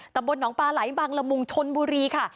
ตำบลหนองปลาไหลบางละมุงชนบุรีค่ะ